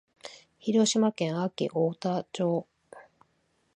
広島県安芸太田町